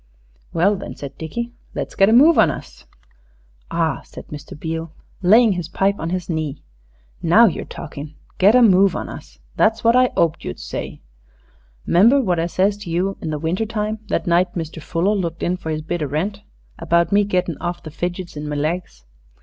"Well, then," said Dickie, "let's get a move on us." "Ah," said Mr. Beale, laying his pipe on his knee, "now you're talkin'. Get a move on us. That's what I 'oped you'd say. 'Member what I says to you in the winter time that night Mr. Fuller looked in for his bit o' rent about me gettin' of the fidgets in my legs?